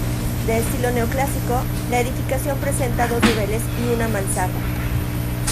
De estilo neoclásico, la edificación presenta dos niveles y una mansarda.